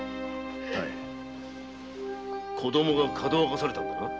子供がかどわかされたんだな？